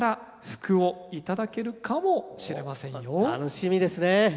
楽しみですね。